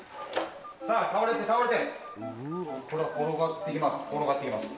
さあ倒れて倒れてほら転がっていきます